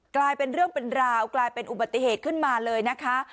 กลายเป็นเรื่องเป็นราวกลายเป็นอุบัติเหตุขึ้นมาเลยนะคะ